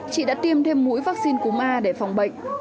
chị đã tiêm thêm mũi vaccine cúm a để phòng bệnh